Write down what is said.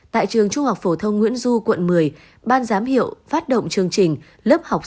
tại trường trung học phổ thông nguyễn du quận một mươi ban giám hiệu phát động chương trình lớp học